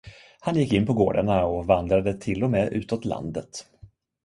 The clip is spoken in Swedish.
Han gick in på gårdarna och vandrade till och med utåt landet.